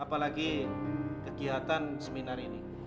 apalagi kegiatan seminar ini